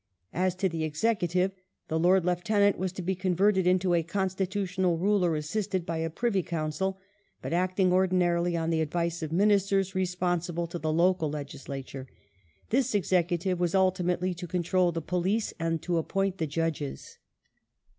As to the Executive, the Lord Lieutenant was to be converted into a Constitutional ruler, assisted by a Privy Council, but acting, ordinarily, on the advice of Minister responsible to the local Legis lature. This Executive was ultimately to control the Police, and to appoint the Judges.